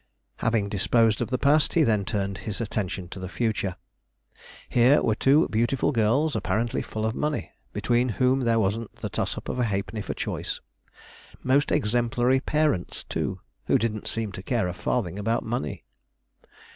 Having disposed of the past, he then turned his attention to the future. Here were two beautiful girls apparently full of money, between whom there wasn't the toss up of a halfpenny for choice. Most exemplary parents, too, who didn't seem to care a farthing about money.